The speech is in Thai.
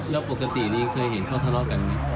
แล้วปกตินี้เคยเห็นเขาทะเลาะกันไหม